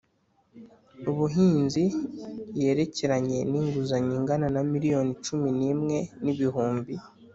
Ubuhinzi yerekeranye n inguzanyo ingana na miliyoni cumi n imwe n ibihumbi